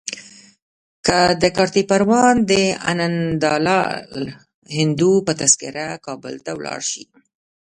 د کارته پروان د انندلال هندو په تذکره کابل ته ولاړ شي.